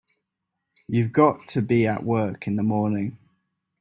You've got to be at work in the morning.